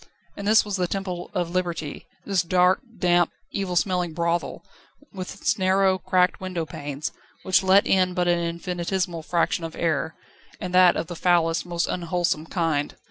And this was the temple of Liberty, this dark, damp, evil smelling brothel, with is narrow, cracked window panes, which let in but an infinitesimal fraction of air, and that of the foulest, most unwholesome kind.